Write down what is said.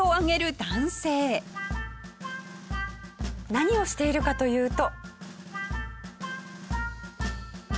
何をしているかというと。